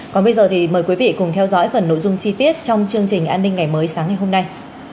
còn bây giờ thì mời quý vị cùng theo dõi phần nội dung chi tiết trong chương trình an ninh ngày mới sáng ngày hôm nay